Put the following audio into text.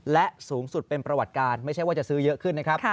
และสูงสุดเป็นประวัติการไม่ใช่ว่าจะซื้อเยอะขึ้นนะครับ